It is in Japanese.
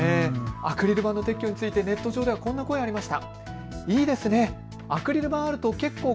アクリル板の撤去についてネット上ではこんな声がありました。